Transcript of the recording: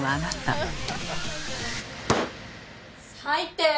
最低！